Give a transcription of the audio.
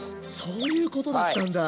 そういうことだったんだ。